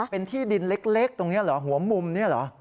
เป็นที่ดินเล็กตรงนี้เหรอหัวมุมนี่เหรอ